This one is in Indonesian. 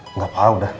enggak pak udah